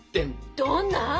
どんな？